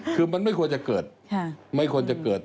คือมันไม่ควรจะเกิดไม่ควรจะเกิด